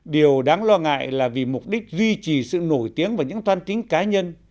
điều đáng lo ngại là vì mục đích duy trì sự nổi tiếng và những toan tính cá nhân